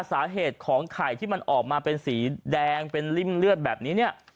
สาเหตุของไข่ที่มันออกมาเป็นสีแดงเป็นริ่มเลือดแบบนี้เนี่ย